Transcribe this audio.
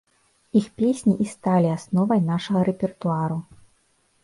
Іх песні і сталі асновай нашага рэпертуару.